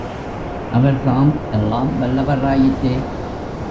அவர் தாம் எல்லாம் வல்லவராயிற்றே.